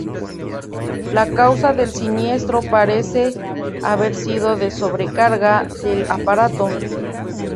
La causa del siniestro parece haber sido la sobrecarga del aparato.